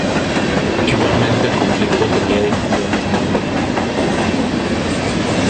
Igualmente el conflicto tenía dimensiones tanto políticas como militares.